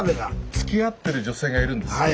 つきあってる女性がいるんですよ。